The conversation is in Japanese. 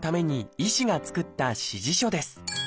医師が作った指示書です。